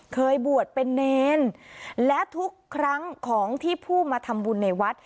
เคยบวชเป็นเนรและทุกครั้งของที่ผู้มาทำบุญในวัด